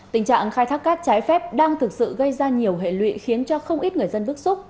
tình trạng khai thác cát trái phép đang thực sự gây ra nhiều hệ lụy khiến cho không ít người dân bức xúc